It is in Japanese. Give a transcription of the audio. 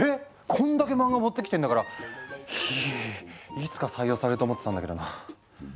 こんだけ漫画持ってきてんだからいいつか採用されると思ってたんだけどな。